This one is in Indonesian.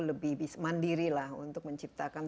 lebih mandiri untuk menciptakan